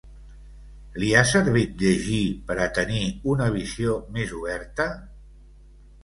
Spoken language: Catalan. Li ha servit llegir per a tenir una visió més oberta?